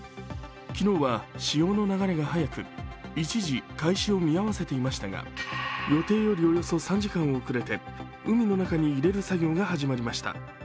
昨日は潮の流れが速く、一時、開始を見合わせていましたが予定よりおよそ３時間遅れて、海の中に入れる作業が始まりました。